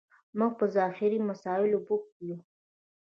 موږ په ظاهري مسایلو بوخت یو.